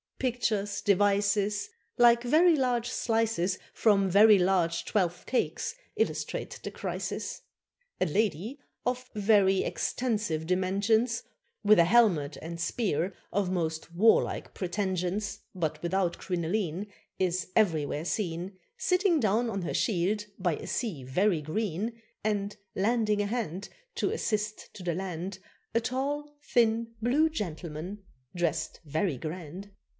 Pictures, devices, Like very large slices From very large twelfth cakes, illustrate the crisis. A lady of very extensive dimensions, With a helmet and spear of most warlike pretensions, But without crinoline, Is everywhere seen Sitting down on her shield by a sea very green; And lending a hand To assist to the land A tall, thin, blue gentleman, dressed very grand.